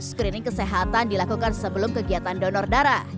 screening kesehatan dilakukan sebelum kegiatan donor darah